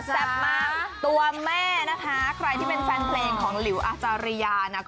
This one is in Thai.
มากตัวแม่นะคะใครที่เป็นแฟนเพลงของหลิวอาจารยานะคะ